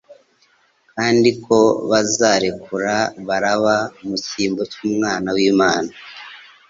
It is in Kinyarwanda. kandi ko bazarekura Baraba mu cyimbo cy'Umwana w'Imana,